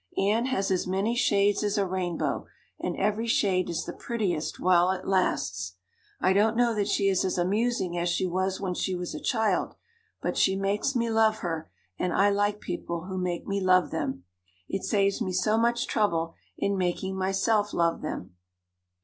Anne has as many shades as a rainbow and every shade is the prettiest while it lasts. I don't know that she is as amusing as she was when she was a child, but she makes me love her and I like people who make me love them. It saves me so much trouble in making myself love them."